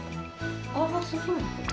ああすごい。